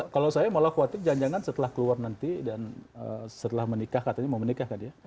kalau saya malah khawatir jangan jangan setelah keluar nanti dan setelah menikah katanya mau menikah kan ya